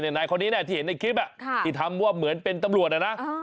นายคนนี้ที่เห็นในคลิปที่ทำว่าเหมือนเป็นตำรวจนะนะ